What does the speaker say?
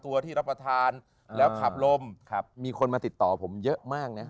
ตัวที่รับประทานแล้วขับลมครับมีคนมาติดต่อผมเยอะมากนะ